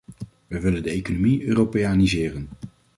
Wij willen de economie europeaniseren.